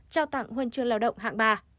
trao tặng huân chương lao động hạng ba